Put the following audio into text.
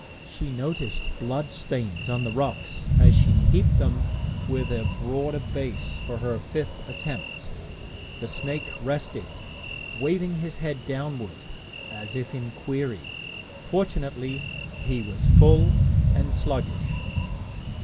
She noticed blood stains on the rocks as she heaped them with a broader base for her fifth attempt. The snake rested, waving his head downward as if in query. Fortunately, he was full and sluggish.